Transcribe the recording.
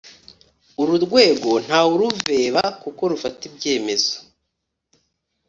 Uru rwego ntawaruveba kuko rufata ibyemezo